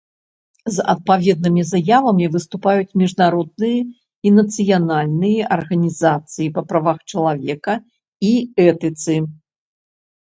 З адпаведнымі заявамі выступаюць міжнародныя і нацыянальныя арганізацыі па правах чалавека і этыцы.